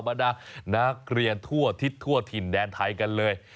บรรดานักเรียนทั่วทิศทั่วถิ่นแดนไทยกันเลย